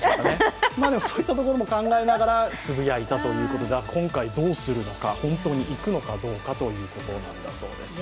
そういったところも考えながらつぶやいたということで今回、どうするのか本当に行くのかどうかということです。